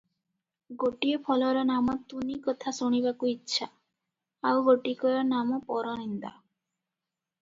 ଗୋଟିଏ ଫଳର ନାମ ତୁନି କଥା ଶୁଣିବାକୁ ଇଚ୍ଛା, ଆଉ ଗୋଟିକର ନାମ ପରନିନ୍ଦା ।